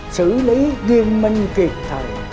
xử lý riêng minh kịp thời